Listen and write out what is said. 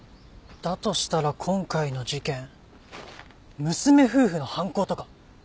だとしたら今回の事件娘夫婦の犯行とか！